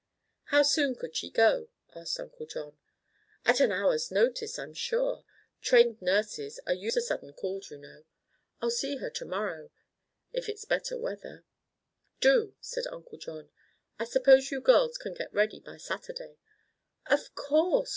"How soon could she go?" asked Uncle John. "At an hour's notice, I'm sure. Trained nurses are used to sudden calls, you know. I'll see her to morrow—if it's better weather." "Do," said Uncle John. "I suppose you girls can get ready by Saturday?" "Of course!"